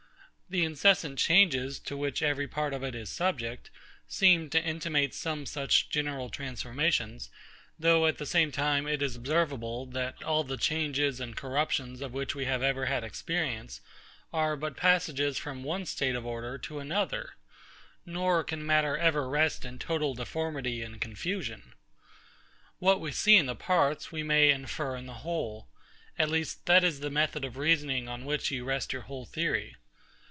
The incessant changes, to which every part of it is subject, seem to intimate some such general transformations; though, at the same time, it is observable, that all the changes and corruptions of which we have ever had experience, are but passages from one state of order to another; nor can matter ever rest in total deformity and confusion. What we see in the parts, we may infer in the whole; at least, that is the method of reasoning on which you rest your whole theory.